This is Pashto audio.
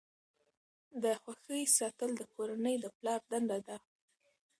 د خوښۍ ساتل د کورنۍ د پلار دنده ده.